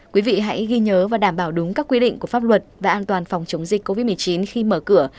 quý vị hãy ghi nhớ và đảm bảo đúng các quy định của pháp luật và an toàn phòng chống dịch covid một mươi chín khi mở cửa